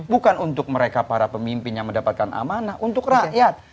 bukan untuk mereka para pemimpin yang mendapatkan amanah untuk rakyat